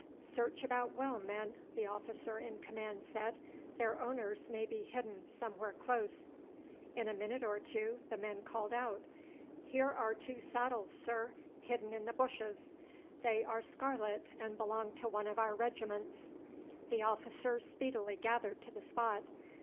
"Search about well, men," the officer in command said; "their owners may be hidden somewhere close." In a minute or two one of the men called out, "Here are two saddles, sir, hidden in the bushes; they are scarlet, and belong to one of our regiments." The officers speedily gathered to the spot.